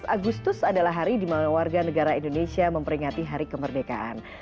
dua belas agustus adalah hari di mana warga negara indonesia memperingati hari kemerdekaan